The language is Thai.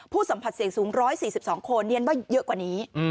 สัมผัสเสียงสูง๑๔๒คนเรียนว่าเยอะกว่านี้